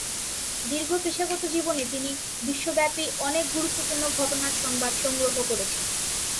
দীর্ঘ পেশাগত জীবনে তিনি বিশ্বব্যাপী অনেক গুরুত্বপূর্ণ ঘটনার সংবাদ সংগ্রহ করেছেন।